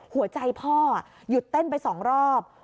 หัวใจพ่อหยุดเต้นไป๒รอบ